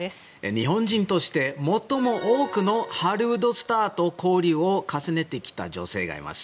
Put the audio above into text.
日本人として最も多くのハリウッドスターと交流を重ねてきた女性がいます。